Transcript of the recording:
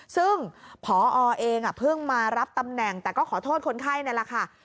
ซึ่งพอเองเพิ่งมารับตำแหน่งแต่ก็ขอโทษคนไข้นั่นแหละค่ะ